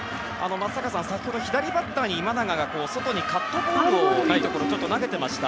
松坂さん、先ほど左バッターに今永が外にカットボールを投げていました。